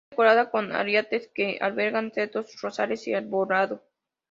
Está decorada con arriates que albergan setos, rosales y arbolado.